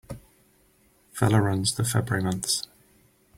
Feller runs the February months.